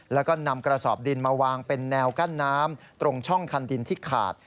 แล้วก็นำกระสอบดินมาวางเป็นแนวกั้นน้ำตรงช่องคันดินที่ขาด